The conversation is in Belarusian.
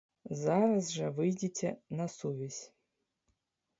Зараз жа выйдзіце на сувязь!